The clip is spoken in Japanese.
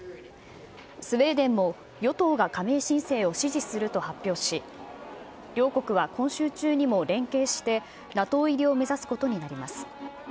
スウェーデンも与党が加盟申請を支持すると発表し、両国は今週中にも連携して、ＮＡＴＯ入りを目指すことになります。